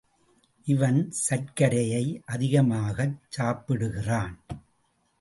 இவன் சர்க்கரையை அதிகமாகச் சாப்பிடுகிறான்.